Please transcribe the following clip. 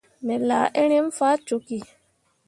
Me laa eremme faa cokki.